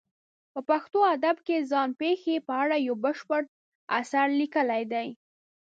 په پښتو ادب کې ځان پېښې په اړه یو بشپړ اثر لیکلی دی.